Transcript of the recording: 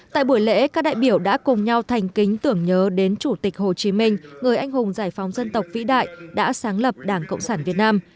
tại buổi lễ các đại biểu đã cùng nhau thành kính tưởng nhớ đến chủ tịch hồ chí minh người anh hùng giải phóng dân tộc vĩ đại đã sáng lập đảng cộng sản việt nam